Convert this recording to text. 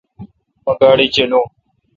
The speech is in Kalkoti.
مہ گاڑی چلاو۔